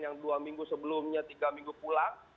yang dua minggu sebelumnya tiga minggu pulang